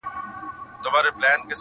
چي پیدا دی له قسمته څخه ژاړي!!